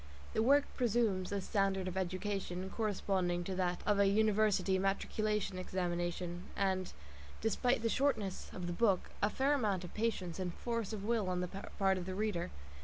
The work presumes a standard of education corresponding to that of a university matriculation examination, and, despite the shortness of the book, a fair amount of patience and force of will on the part of the reader.